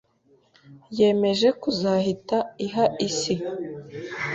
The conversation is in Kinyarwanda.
yemeje kuzahita iha isi